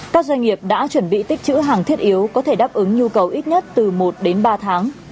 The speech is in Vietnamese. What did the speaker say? các doanh nghiệp đã chuẩn bị tích chữ hàng thiết yếu có thể đáp ứng nhu cầu ít nhất từ một đến ba tháng